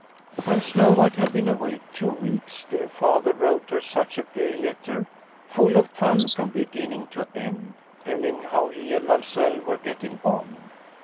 When Snow White had been away two weeks, dear Father wrote her such a gay letter, full of fun from beginning to end, telling how he and Mamsell were getting on.